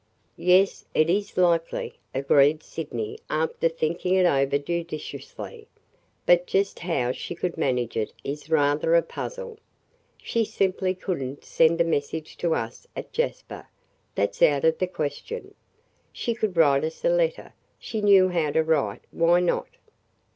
"Yes, it is likely," agreed Sydney after thinking it over judicially. "But just how she could manage it is rather a puzzle. She simply could n't send a message to us at Jasper; that 's out of the question." "She could write us a letter. She knew how to write; why not?"